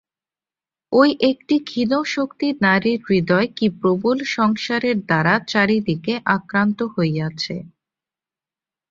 ঐ একটি ক্ষীণশক্তি নারীর হৃদয় কী প্রবল সংসারের দ্বারা চারি দিকে আক্রান্ত হইয়াছে।